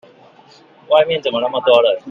外面怎麼那麼多人？